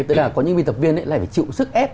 tức là có những viên tập viên lại phải chịu sức ép